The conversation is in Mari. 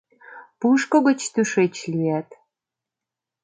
Пушко гыч тушеч лӱят